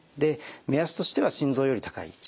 目安としては心臓より高い位置。